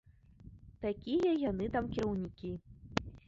Такія яны там кіраўнікі!